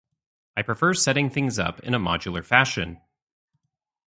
I prefer setting things up in a modular fashion.